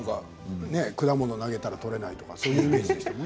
果物を投げたら取れないとかそういうイメージですよね。